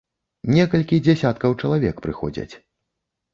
Некалькі дзясяткаў чалавек прыходзяць.